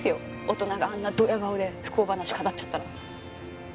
大人があんなドヤ顔で不幸話語っちゃったら。